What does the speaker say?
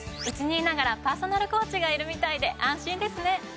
うちにいながらパーソナルコーチがいるみたいで安心ですね。